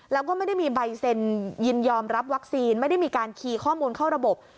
แล้วก็ไม่ได้มีใบเซ็นยินยอมรับวัคซีนไม่ได้มีการคีย์ข้อมูลเข้าระบบ